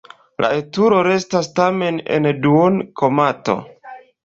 La etulo restas tamen en duon-komato.